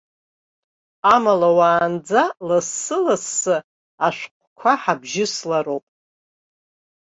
Амала, уаанӡа лассы-лассы ашәыҟәқәа ҳабжьыслароуп.